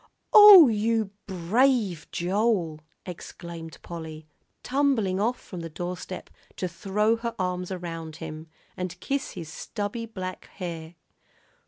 "Oh, you brave Joel!" exclaimed Polly, tumbling off from the doorstep to throw her arms around him, and kiss his stubby black hair.